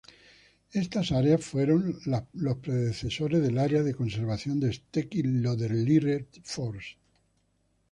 Estas áreas fueron los predecesores del área de conservación de Steckby-Lödderitzer Forst.